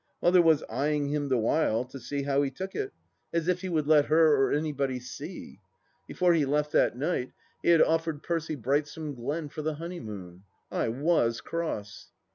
Mother was eyeing hun the while to see how he took it ! As if be THE LAST DITCH 269 would let her or anybody see ! Before he left that night he had offered Percy Brightsome Glen for the honeymoon. I was cross.